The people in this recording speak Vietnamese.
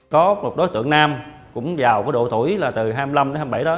có một đối tượng nam cũng giàu với độ tuổi là từ hai mươi năm hai mươi bảy đó